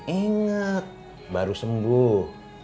ingat baru sembuh